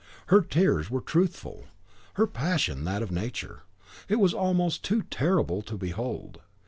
Her tears were truthful; her passion that of nature: it was almost too terrible to behold.